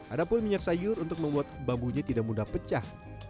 ada pun minyak sayur untuk membuat bambunya tidak mudah pecah